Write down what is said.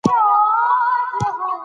زمرد د افغانانو د فرهنګي پیژندنې برخه ده.